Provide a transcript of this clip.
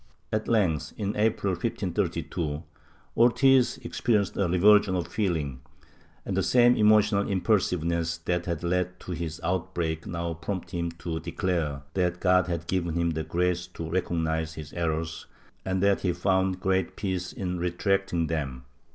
At length, in April 1532, Ortiz experienced a revulsion of feeling, and the same emotional impulsiveness that had led to his outbreak now prompted him to declare that God had given him the grace to recognize his errors and that he found great peace in retracting them.